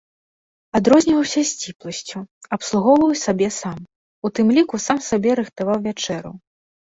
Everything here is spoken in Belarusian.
Адрозніваўся сціпласцю, абслугоўваў сабе сам, у тым ліку сам сабе рыхтаваў вячэру.